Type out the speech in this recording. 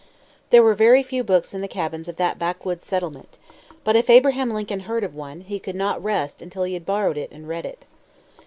There were very few books in the cabins of that backwoods settlement. But if Abraham Lincoln heard of one, he could not rest till he had borrowed it and read it.